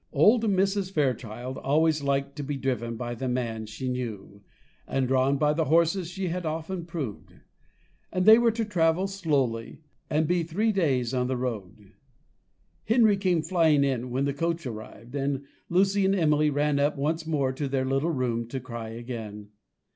Old Mrs. Fairchild always liked to be driven by the man she knew, and drawn by the horses she had often proved; and they were to travel slowly, and be three days on the road. Henry came flying in when the coach arrived; and Lucy and Emily ran up once more to their little room to cry again.